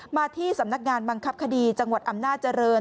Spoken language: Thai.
มาที่สำนักงานบังคับคดีจังหวัดอำนาจริง